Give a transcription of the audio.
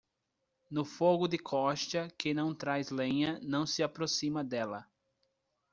No fogo de Costa, quem não traz lenha, não se aproxima dela.